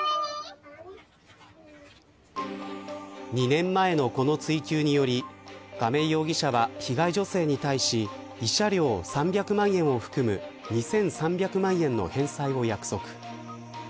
２年前のこの追及により亀井容疑者は被害女性に対し慰謝料３００万円を含む２３００万円の返済を約束。